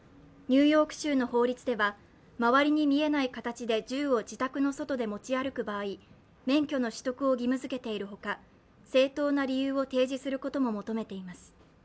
ニューヨーク州の法律では周りに見えない形で銃を自宅の外で持ち歩く場合免許の取得を義務付けているほか、正当な理由を提示することも求めています。